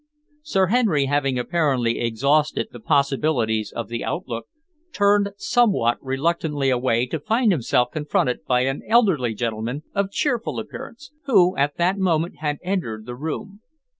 Sir Henry, having apparently exhausted the possibilities of the outlook, turned somewhat reluctantly away to find himself confronted by an elderly gentleman of cheerful appearance, who at that moment had entered the room.